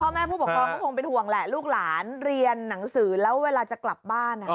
แม่ผู้ปกครองก็คงเป็นห่วงแหละลูกหลานเรียนหนังสือแล้วเวลาจะกลับบ้าน